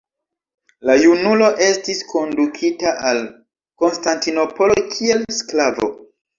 La junulo estis kondukita al Konstantinopolo kiel sklavo.